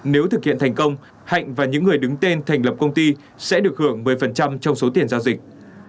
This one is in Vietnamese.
nếu thực hiện thành công hạnh và những người đứng tên thành lập công ty sẽ được hưởng một mươi trong số tiền giao dịch